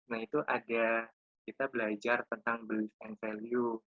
nah itu ada kita belajar tentang blue and value